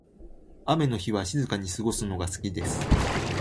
雨の日は静かに過ごすのが好きです。